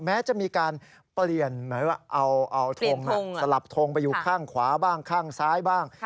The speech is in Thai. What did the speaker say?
แม้จะมีการเปลี่ยนหมายว่าเอาทงสลับทงไปอยู่ข้างขวาบ้างข้างซ้ายบ้าง